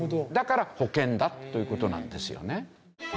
だから保険だという事なんですよね。